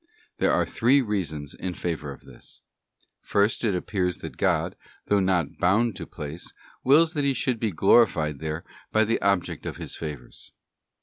There are three reasons in favour of this. First, it appears that God, though not bound to place, wills that He should be glorified there by the object of his favours.